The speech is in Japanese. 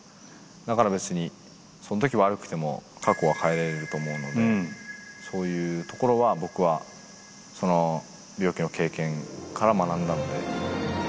だから、別にそのとき悪くても、過去は変えれると思うので、そういうところは僕は病気の経験から学んだんで。